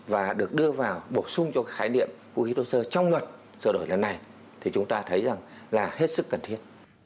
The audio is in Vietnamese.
và được đưa vào bổ sung cho khái niệm vũ khí thô sơ trong luật sửa đổi lần này thì chúng ta thấy rằng là hết sức cần thiết